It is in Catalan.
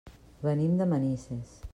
Venim de Manises.